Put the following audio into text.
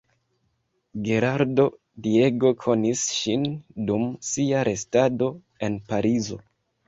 Gerardo Diego konis ŝin dum sia restado en Parizo.